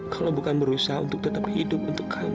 kalau bukan berusaha untuk tetap hidup untuk kamu